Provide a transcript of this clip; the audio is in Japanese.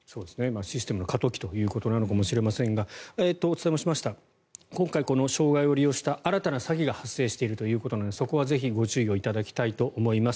システムの過渡期ということかもしれませんがお伝えしました今回、この障害を利用した新たな詐欺が発生しているということなのでそこはぜひご注意いただきたいと思います。